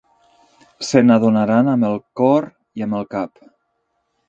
Se n'adonaran amb el cor i amb el cap.